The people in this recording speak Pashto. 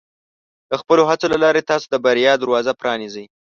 د خپلو هڅو له لارې، تاسو د بریا دروازه پرانیزئ.